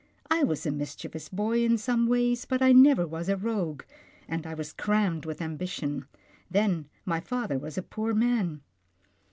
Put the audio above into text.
I was a mischievous boy in some ways, but I never was a rogue, and I was crammed with ambition — then my father was a poor man."